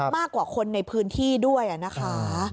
มากกว่าคนในพื้นที่ด้วยนะคะ